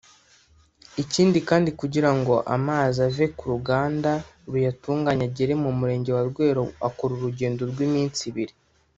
Ikindi kandi kugirango amazi ave ku ruganda ruyatunganya agere mu Murenge wa Rweru akora urugendo rw’iminsi ibiri